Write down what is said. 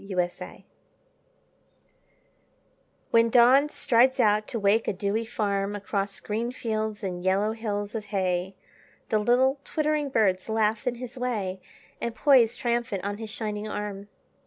Alarm Clocks When Dawn strides out to wake a dewy farm Across green fields and yellow hills of hay The little twittering birds laugh in his way And poise triumphant on his shining arm.